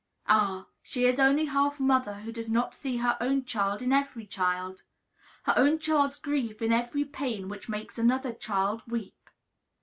Ah, she is only half mother who does not see her own child in every child! her own child's grief in every pain which makes another child weep!